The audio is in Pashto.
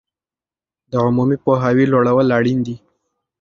د عمومي پوهاوي لوړول اړین دي.